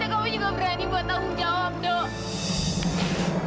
tapi kamu juga berani buat tahu jawab dok